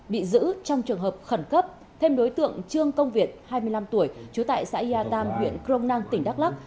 bị giữ trong trường hợp khẩn cấp thêm đối tượng trương công viện hai mươi năm tuổi chú tại xã yà tam huyện crong nang tỉnh đắk lắc